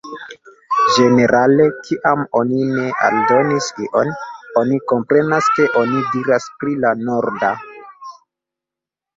Ĝenerale, kiam oni ne aldonis ion, oni komprenas ke oni diras pri la "norda".